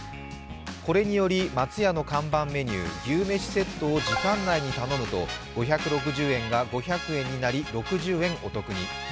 これにより松屋の看板メニュー牛めしセットを時間内に頼むと５６０円が５００円になり、６０円お得に。